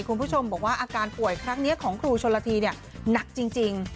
คุณผู้ชมบอกว่าอาการป่วยครั้งนี้ของครูชนละทีหนักจริง